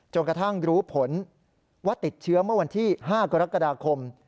กระทั่งรู้ผลว่าติดเชื้อเมื่อวันที่๕กรกฎาคม